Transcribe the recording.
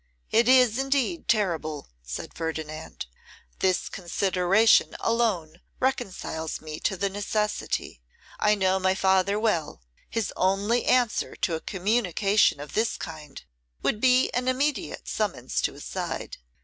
'It is, indeed, terrible,' said Ferdinand. 'This consideration alone reconciles me to the necessity: I know my father well; his only answer to a communication of this kind would be an immediate summons to his side.